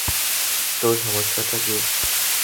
তোর সমস্যাটা কী?